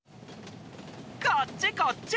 こっちこっち。